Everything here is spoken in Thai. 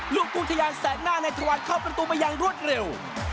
ลูกกูทยานแสกหน้าในทะวันเข้าประตูไปอย่างรวดเร็ว